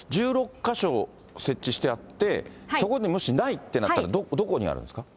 か所設置してあって、そこにもしないってなったら、どこにあるんですか？